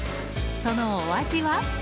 そのお味は？